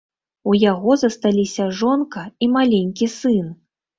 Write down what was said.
У яго засталіся жонка і маленькі сын.